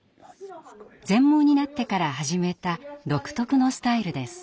全盲になってから始めた独特のスタイルです。